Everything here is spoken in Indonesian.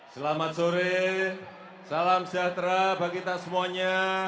selamat sore salam sejahtera bagi kita semuanya